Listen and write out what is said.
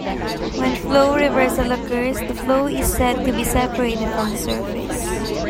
When flow reversal occurs, the flow is said to be separated from the surface.